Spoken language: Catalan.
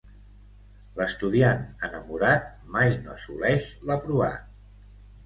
L'estudiant enamorat mai no assoleix l'aprovat.